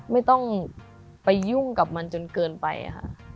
ไม่ต้องไปยุ่งกับมันจนเกินไปค่ะ